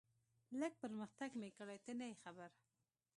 لږ پرمختګ مې کړی، ته نه یې خبر.